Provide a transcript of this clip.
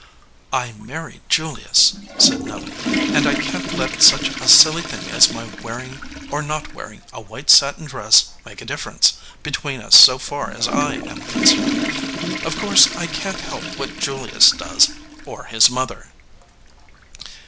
"I married Julius," said Nelly, "and I can t let such a silly thing as my wearing or not wear ing a white satin dress make a difference between us so far as I am concerned. Of course I can t help what Julius does, or his mother."